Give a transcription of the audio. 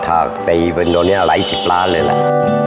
ถากตีเป็นโดนเนี่ย๑๑๐ล้านเลยแหละ